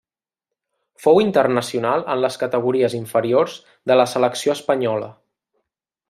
Fou internacional en les categories inferiors de la selecció espanyola.